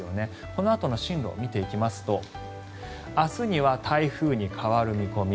このあとの進路を見ていきますと明日には台風に変わる見込み。